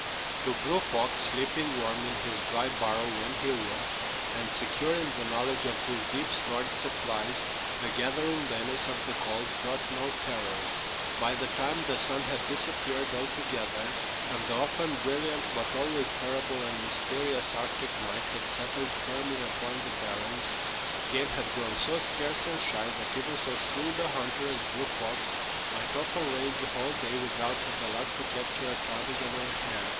To Blue Fox, sleeping warm in his dry burrow when he would, and secure in the knowledge of his deep stored supplies, the gathering menace of the cold brought no terrors. By the time the sun had disappeared altogether, and the often brilliant but always terrible and mysterious Arctic night had settled firmly upon the barrens, game had grown so scarce and shy that even so shrewd a hunter as Blue Fox might often range a whole day without the luck to capture a ptarmigan or a hare.